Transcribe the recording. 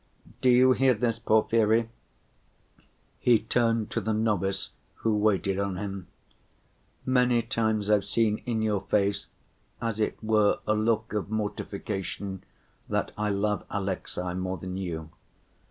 Do you hear this, Porfiry?" he turned to the novice who waited on him. "Many times I've seen in your face as it were a look of mortification that I love Alexey more than you.